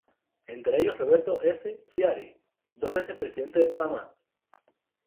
Entre ellos Roberto F. Chiari, dos veces presidente de Panamá.